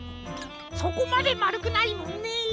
そこまでまるくないもんね。